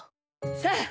さあ。